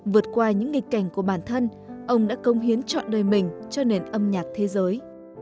vượt qua những nghịch cảnh của bản thân ông đã công hiến chọn đời mình cho nền âm nhạc thế giới